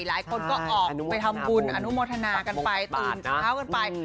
หลายคนก็ออกไปทำบุญอนุโมทนากันไปตื่นเช้ากันไป